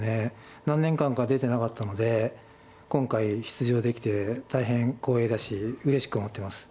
何年間か出てなかったので今回出場できて大変光栄だしうれしく思ってます。